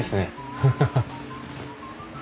ハハハッ。